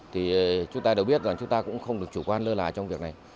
thì chúng ta đều biết rằng chúng ta cũng không được chủ quan lơ là trong việc này